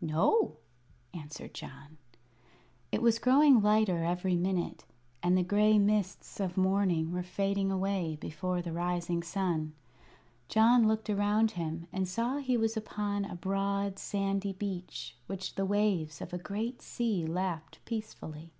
"No," answered John. It was growing lighter every minute, and the gray mists of morning were fading away before the rising sun. John looked around him and saw he was upon a broad, sandy beach which the waves of a great sea lapped peacefully.